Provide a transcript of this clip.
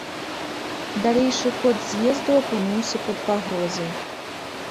Далейшы ход з'езду апынуўся пад пагрозай.